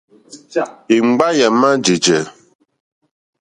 Èŋɡba yà má jèjɛ̀.